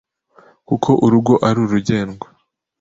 kuko urugo ari urugendwa.